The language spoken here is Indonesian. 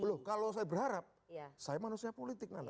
belum kalau saya berharap saya manusia politik nanda